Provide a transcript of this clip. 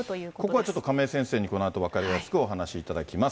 ここはちょっと、亀井先生にこのあと分かりやすくお話しいただきます。